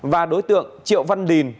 và đối tượng triệu văn đình